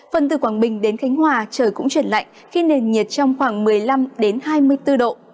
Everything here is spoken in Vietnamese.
phần từ quảng bình đến khánh hòa trời cũng chuyển lạnh khi nền nhiệt trong khoảng một mươi năm hai mươi bốn độ